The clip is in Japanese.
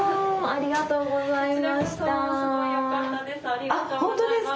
ありがとうございます。